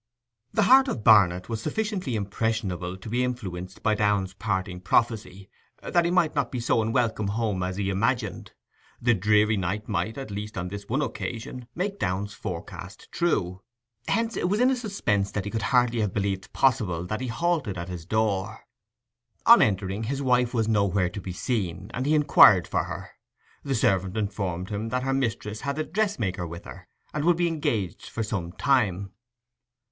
The heart of Barnet was sufficiently impressionable to be influenced by Downe's parting prophecy that he might not be so unwelcome home as he imagined: the dreary night might, at least on this one occasion, make Downe's forecast true. Hence it was in a suspense that he could hardly have believed possible that he halted at his door. On entering his wife was nowhere to be seen, and he inquired for her. The servant informed him that her mistress had the dressmaker with her, and would be engaged for some time.